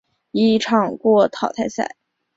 一场过淘汰赛。